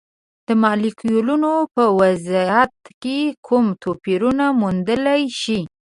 د مالیکولونو په وضعیت کې کوم توپیرونه موندلی شئ؟